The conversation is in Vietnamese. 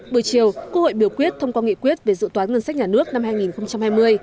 buổi chiều quốc hội biểu quyết thông qua nghị quyết về dự toán ngân sách nhà nước năm hai nghìn hai mươi